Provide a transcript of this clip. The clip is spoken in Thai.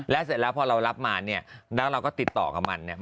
เสร็จแล้วพอเรารับมาเนี่ยแล้วเราก็ติดต่อกับมันเนี่ย